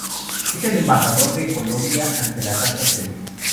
Es el embajador de Colombia ante la Santa Sede.